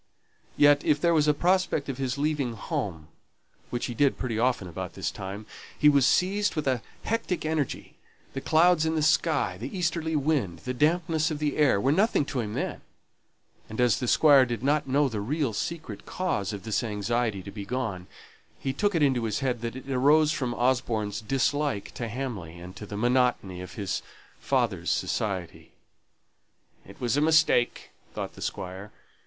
Yet if there was a prospect of his leaving home, which he did pretty often about this time, he was seized with a hectic energy: the clouds in the sky, the easterly wind, the dampness of the air, were nothing to him then; and as the Squire did not know the real secret cause of this anxiety to be gone, he took it into his head that it arose from Osborne's dislike to Hamley and to the monotony of his father's society. "It was a mistake," thought the Squire.